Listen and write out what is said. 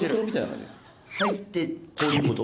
入ってこういうこと？